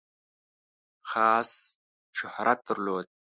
خاص شهرت درلود.